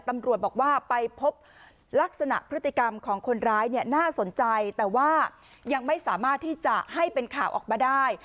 ตำรวจบอกว่าไปพบลักษณะพฤติกรรมของคนร้ายเนี่ยน่าสนใจแต่ว่ายังไม่สามารถที่จะให้เป็นข่าวออกมาได้